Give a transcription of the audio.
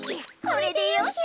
これでよし。